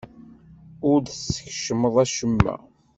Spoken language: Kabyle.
Ur d-teskecmeḍ acemma.